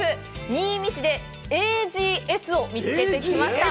新見市でＡＧＳを見つけてきました。